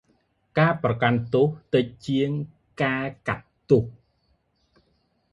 ការប្រកាន់ទោស តិចជាង ការអត់ទោស។